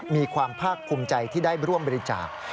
มีความภาคภูมิใจที่ได้ร่วมบริจาค